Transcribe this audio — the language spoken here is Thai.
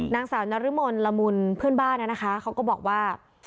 นางสาวนรมนละมุนเพื่อนบ้านนะคะเขาก็บอกว่า